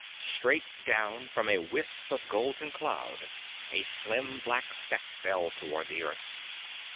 Straight down from a wisp of golden cloud a slim black speck fell toward the earth.